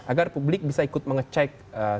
agar publik bisa ikut mengecek dan kita bisa mengunggah